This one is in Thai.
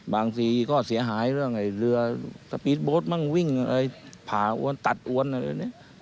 บางทีก็เสียหายเรือมั่งวิ่งอะไรผ่าอ้วนตัดอ้วนอะไรแบบนี้